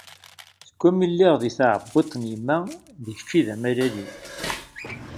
Seg wami i lliɣ di tɛebbuṭ n yemma, d kečč i d amalal-iw.